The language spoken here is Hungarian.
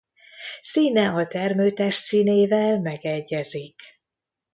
Színe a termőtest színével megegyezik.